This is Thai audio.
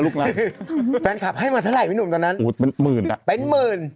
ลูกน้ำแฟนกรัฟให้มาเท่าไหร่ไหมหนุ่มตอนนั้นอุ๊ดเป็นหมื่นเป็นหมื่น